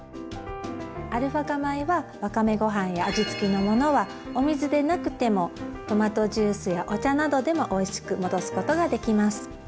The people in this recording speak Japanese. アルファ化米はわかめごはんや味つきのものはお水でなくてもトマトジュースやお茶などでもおいしく戻すことができます。